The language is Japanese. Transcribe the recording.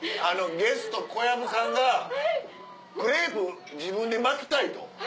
ゲスト小籔さんがクレープ自分で巻きたいと。